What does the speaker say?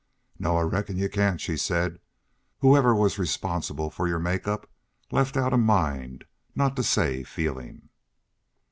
"No, I reckon y'u cain't," she said. "Whoever was responsible for your make up left out a mind not to say feeling."